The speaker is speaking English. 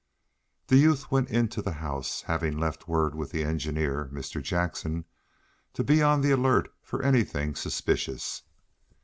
The youth went into the house, having left word with the engineer, Mr. Jackson, to be on the alert for anything suspicious.